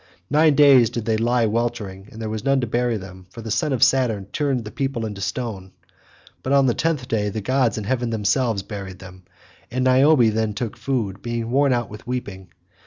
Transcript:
Nine days did they lie weltering, and there was none to bury them, for the son of Saturn turned the people into stone; but on the tenth day the gods in heaven themselves buried them, and Niobe then took food, being worn out with weeping.